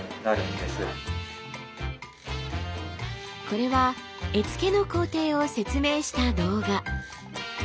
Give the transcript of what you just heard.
これは絵付けの工程を説明した動画。